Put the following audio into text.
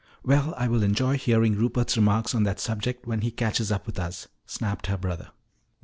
Well, I will enjoy hearing Rupert's remarks on that subject when he catches up with us," snapped her brother.